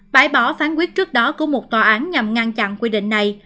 bãi bỏ phán quyết trước đó của một tòa án nhằm ngăn chặn quy định này